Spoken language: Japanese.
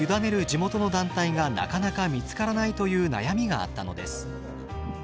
地元の団体がなかなか見つからないという悩みがあったのです。